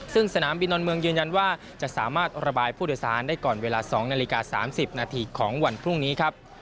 ซึ่งสนามบินดอนเมืองยืนยันว่าจะสามารถระบายผู้โดยสารได้ก่อนเวลา๒นาฬิกา๓๐นาทีของวันพรุ่งนี้ครับ